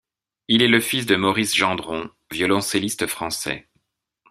Il est le fils de Maurice Gendron, violoncelliste français.